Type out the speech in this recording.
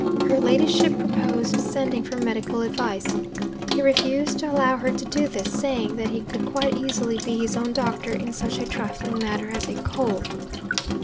Her ladyship proposed sending for medical advice. He refused to allow her to do this, saying that he could quite easily be his own doctor in such a trifling matter as a cold.